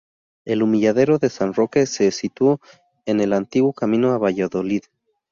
El humilladero de San Roque se situó en el antiguo camino de Valladolid.